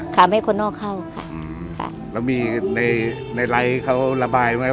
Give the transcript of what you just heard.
ทำให้คนนอกเข้าค่ะค่ะแล้วมีในในไลค์เขาระบายไหม